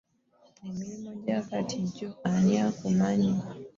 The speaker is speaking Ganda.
emirimu egimu egyakati gya ani akumanyi.